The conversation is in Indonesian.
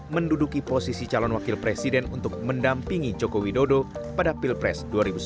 menduduki posisi calon wakil presiden untuk mendampingi joko widodo pada pilpres dua ribu sembilan belas